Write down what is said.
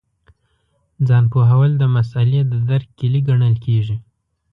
ځان پوهول د مسألې د درک کیلي ګڼل کېږي.